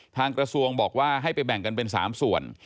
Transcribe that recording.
กระทรวงบอกว่าให้ไปแบ่งกันเป็น๓ส่วน